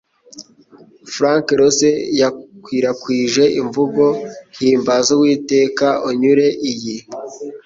Frank Loesser yakwirakwije imvugo, "Himbaza Uwiteka unyure" iyi